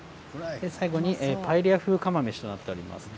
最後にパエリア風釜飯となっています。